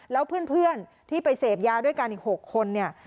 แล้วเพื่อนที่ไปเสพยาด้วยกันอีก๖คนเนี่ย